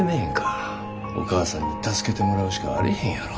お義母さんに助けてもらうしかあれへんやろ。